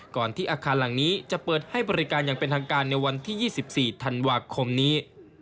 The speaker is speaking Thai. ที่อาคารหลังนี้จะเปิดให้บริการอย่างเป็นทางการในวันที่๒๔ธันวาคมนี้